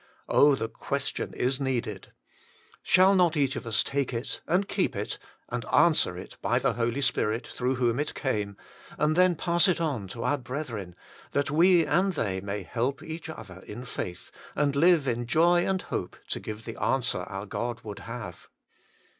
Oh, the question is needed ! Shall not each of us take it, and keep it, and answer it by the Holy Spirit through whom it came, and then pass it on to our brethren, that we and they may help each other in faith, and live in joy and hope to give the answer our God would have